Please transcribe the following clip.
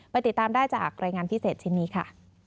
ติดตามได้จากรายงานพิเศษชิ้นนี้ค่ะ